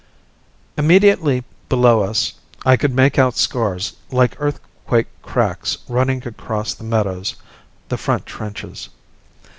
Immediately below us I could make out scars like earthquake cracks running across the meadows the front trenches.